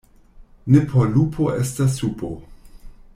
Ne por lupo estas supo.